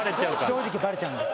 正直バレちゃうんで。